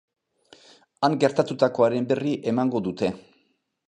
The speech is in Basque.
Han gertatutakoaren berri emango dute.